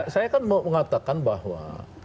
saya kan mengatakan bahwa